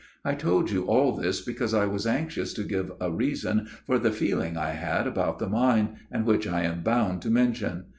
" I told you all this because I was anxious to give a reason for the feeling I had about the mine, and which I am bound to mention.